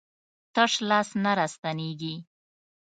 تش لاس نه راستنېږي.